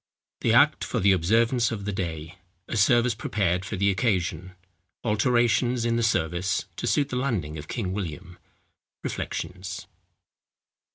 THE ACT FOR THE OBSERVANCE OF THE DAY—A SERVICE PREPARED FOR THE OCCASION—ALTERATIONS IN THE SERVICE TO SUIT THE LANDING OF KING WILLIAM—REFLECTIONS.